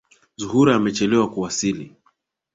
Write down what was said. Zuhra amechelewa kuwasili.